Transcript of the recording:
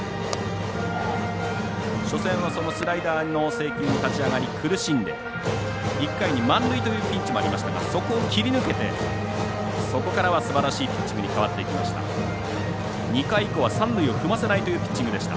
初戦はそのスライダーの制球の立ち上がり苦しんで１回に満塁というピンチもありましたがそこを切り抜けて、そこからはすばらしいピッチングに変わっていきました。